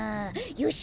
よし！